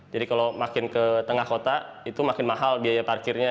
jadi kalau makin ke tengah kota itu makin mahal biaya parkirnya